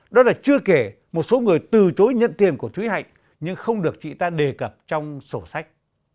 đó là chưa kể một số người từ chối nhận tiền của thúy hạnh nhưng không được chị ta đề cập trong sổ sách